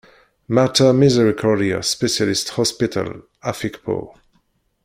Mater Misericordia Specialist Hospital, Afikpo.